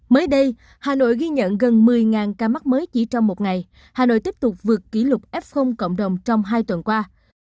mới đây hà nội ghi nhận gần một mươi ca mắc mới chỉ trong một ngày hà nội tiếp tục vượt kỷ lục f cộng đồng trong hai tuần qua